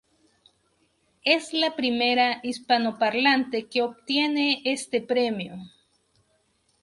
Es la primera hispanoparlante que obtiene este premio.